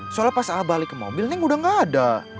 soalnya pas ah balik ke mobil nih udah gak ada